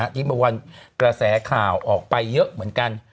เมื่อวันกระแสข่าวออกไปเยอะเหมือนกัน